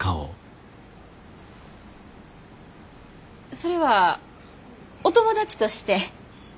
それはお友達として？